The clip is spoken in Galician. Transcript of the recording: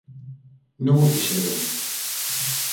Non o fixeron.